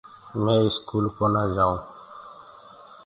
مي اسڪول ڪونآئونٚ جآئونٚ